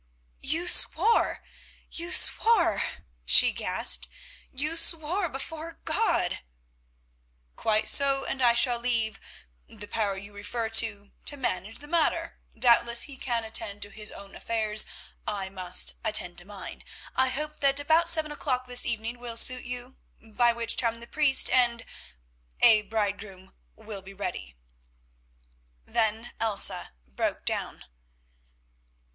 "You swore, you swore," she gasped, "you swore before God!" "Quite so, and I shall leave—the Power you refer to—to manage the matter. Doubtless He can attend to His own affairs—I must attend to mine. I hope that about seven o'clock this evening will suit you, by which time the priest and—a bridegroom will be ready." Then Elsa broke down.